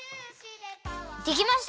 できました！